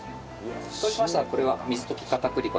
そうしましたらこれは水溶き片栗粉です。